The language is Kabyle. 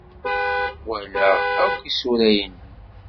Walaɣ akk isura-nnem.